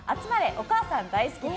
お母さん大好き党。